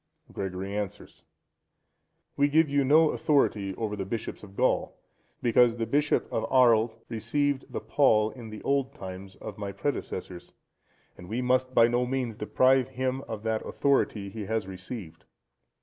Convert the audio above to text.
Gregory answers.—We give you no authority over the bishops of Gaul, because the bishop of Arles received the pall(127) in the old times of my predecessors, and we must by no means deprive him of the authority he has received.